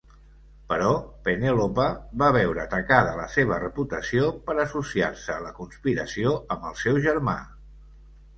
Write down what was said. Però Penèlope va veure tacada la seva reputació per associar-se a la conspiració amb el seu germà.